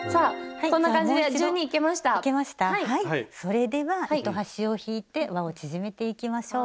それでは糸端を引いてわを縮めていきましょう。